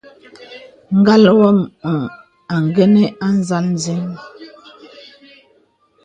Ngal ngəməŋ àngənə́ à nzāl nzə́n.